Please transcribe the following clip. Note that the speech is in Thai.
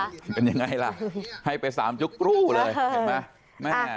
เป็นอย่างไรล่ะให้ไปสามจุ๊กรู้เลยเห็นไหม